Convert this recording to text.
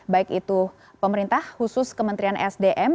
baik itu pemerintah khusus kementerian sdm